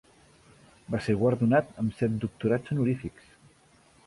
Va ser guardonat amb set doctorats honorífics.